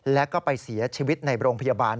แล้วก็ไปเสียชีวิตในโรงพยาบาล